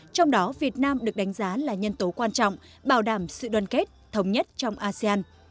trong đó việt nam được đánh giá là nhân tố quan trọng bảo đảm sự đoàn kết thống nhất trong asean